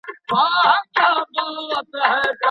خلګ د واده لپاره ډير قرضونه کوي.